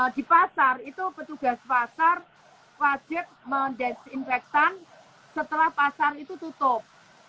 di pasar itu petugas pasar wajib mendesinfektan setelah pasar itu tutup